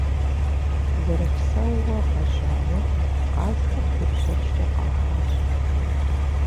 Зэрыпсэууэ гъэжьауэ къазхэр тепщэчкӀэ къахьащ.